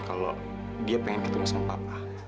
kalo dia pengen ketulusan papa